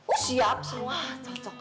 oh siap semua